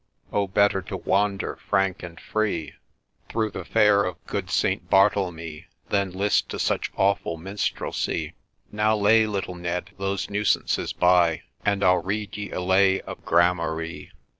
Oh, better to wander frank and free 96 THE WITCHES' FROLIC Through the Fair of good Saint Bartlemy, Than list to such awful minstrelsie. Now lay, little Ned, those nuisances by, And I'll rede ye a lay of Grammarye.